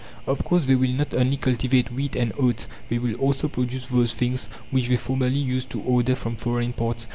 Of course, they will not only cultivate wheat and oats they will also produce those things which they formerly used to order from foreign parts.